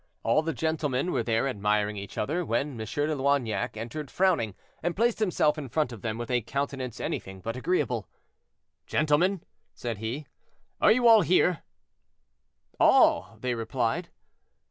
All the gentlemen were there admiring each other, when M. de Loignac entered frowning, and placed himself in front of them, with a countenance anything but agreeable. "Gentlemen," said he, "are you all here?" "All!" they replied.